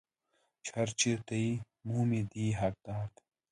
چې هر چېرته یې مومي دی یې حقدار دی.